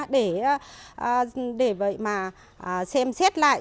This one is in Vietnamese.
để vậy mà xem xét lại